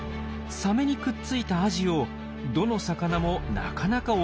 サメにくっついたアジをどの魚もなかなか襲おうとしません。